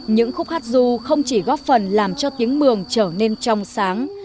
những khúc hát du không chỉ góp phần làm cho tiếng mường trở nên trong sáng